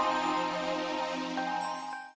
bisa jadi apa apa